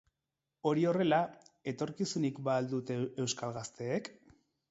Hori horrela, etorkizunik ba al dute euskal gazteek?